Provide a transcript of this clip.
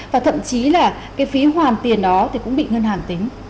và thậm chí là cái phí hoàn tiền đó thì cũng bị ngân hàng tính